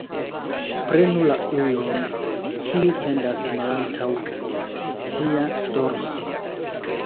Prenu la ujon, kiu pendas malantaŭ cia dorso.